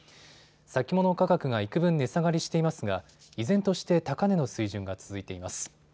先物価格がいくぶん値下がりしていますが依然として高値の水準が続いています。